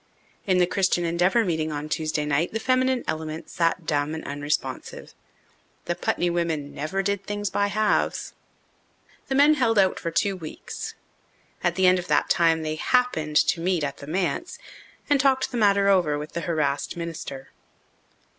In the Christian Endeavour meeting on Tuesday night the feminine element sat dumb and unresponsive. The Putney women never did things by halves. The men held out for two weeks. At the end of that time they "happened" to meet at the manse and talked the matter over with the harassed minister.